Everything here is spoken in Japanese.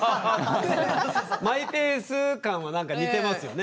マイペース感はなんか似てますよね。